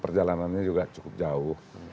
perjalanannya juga cukup jauh